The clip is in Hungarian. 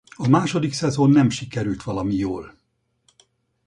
A második szezon nem sikerült valami jól.